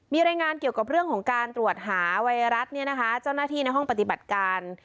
มีรายงานเกี่ยวกับเรื่องของการตรวจหาไวรัสเนี่ยนะคะเจ้าหน้าที่ในห้องปฏิบัติการ